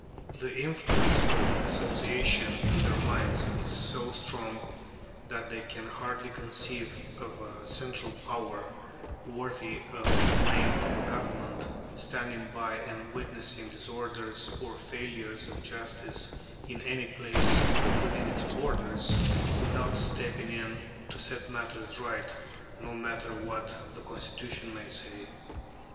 The influence of association on their minds is so strong that they can hardly conceive of a central power, worthy of the name of a government, standing by and witnessing disorders or failures of justice in any place within its borders, without stepping in to set matters right, no matter what the Constitution may say.